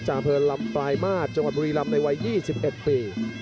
จากอำเภอลำปลายมาทจังหวัดบุรีลำในวัยยี่สิบเอ็ดปี